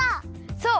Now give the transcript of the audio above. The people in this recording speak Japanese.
そう。